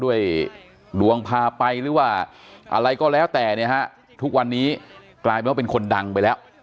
ด้วยดวงพาไปหรือว่าอะไรก็แล้วแต่เนี่ยฮะทุกวันนี้กลายเป็นว่าเป็นคนดังไปแล้ว